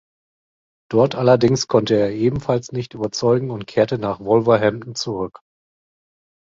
Dort allerdings konnte er ebenfalls nicht überzeugen und kehrte nach Wolverhampton zurück.